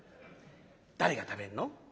「誰が食べるの？」。